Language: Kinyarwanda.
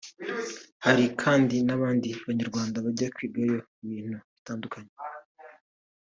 Hari kandi n’abandi Banyarwanda bajya kwigayo ibintu bitandukanye